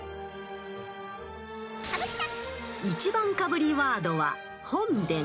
［１番かぶりワードは「本殿」］